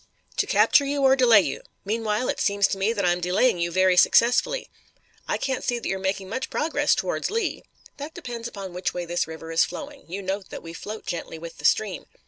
"To capture you, or delay you. Meanwhile, it seems to me that I'm delaying you very successfully. I can't see that you're making much progress towards Lee." "That depends upon which way this river is flowing. You note that we float gently with the stream."